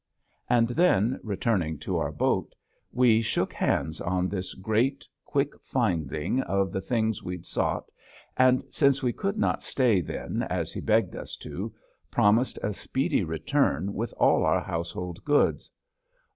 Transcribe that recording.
And then returning to our boat we shook hands on this great, quick finding of the thing we'd sought and, since we could not stay then as he begged us to, promised a speedy return with all our household goods.